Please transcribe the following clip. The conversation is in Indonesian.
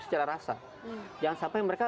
secara rasa jangan sampai mereka